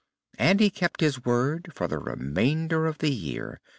And he kept his word for the remainder of the year.